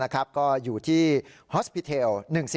ก็อยู่ที่ฮอสพิเทล๑๔